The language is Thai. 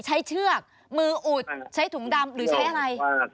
เชือกมืออุดใช้ถุงดำหรือใช้อะไร